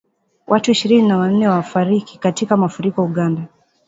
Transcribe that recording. Watu ishirini na wanne wafariki katika mafuriko Uganda